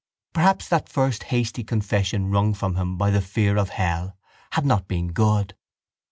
Perhaps that first hasty confession wrung from him by the fear of hell had not been good?